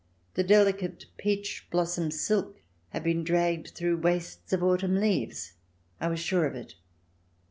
The delicate peach blossom silk had been dragged through wastes of autumn leaves. I was sure of it.